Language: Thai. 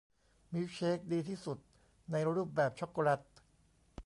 มิลค์เชคดีที่สุดในรูปแบบช็อกโกแลต